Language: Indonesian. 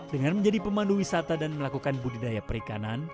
dengan menjadi pemandu wisata dan melakukan budidaya perikanan